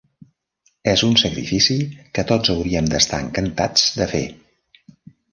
És un sacrifici que tots hauríem d'estar encantats de fer.